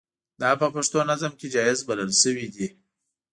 دا په پښتو نظم کې جائز بلل شوي دي.